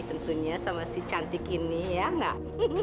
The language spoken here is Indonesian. tentunya sama si cantik ini ya enggak